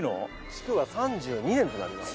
築は３２年となります。